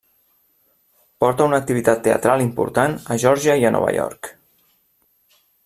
Porta una activitat teatral important a Geòrgia i a Nova York.